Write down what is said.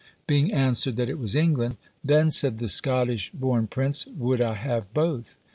Being answered, that it was England; "Then," said the Scottish born prince, "would I have both!"